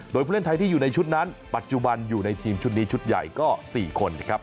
โดยผู้เล่นไทยที่อยู่ในชุดนั้นปัจจุบันอยู่ในทีมชุดนี้ชุดใหญ่ก็๔คนนะครับ